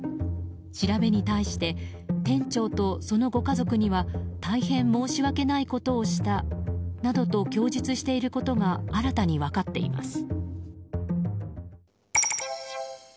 調べに対して店長とそのご家族には大変申し訳ないことをしたなどと供述していることが新たに分かっています。